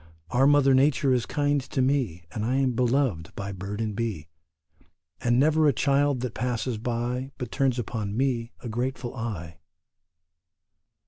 Our mother Nature is kind to me, And I am beloved by bird and bee, And never a child that passes by But turns upon me a grateful eye.